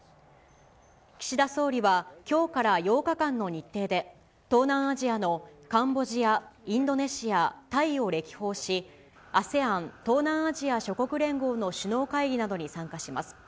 岸田総理は、きょうから８日間の日程で、東南アジアのカンボジア、インドネシア、タイを歴訪し、ＡＳＥＡＮ・東南アジア諸国連合の首脳会議などに参加します。